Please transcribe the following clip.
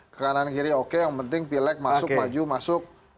ke kanan kiri oke yang penting pileg masuk maju masuk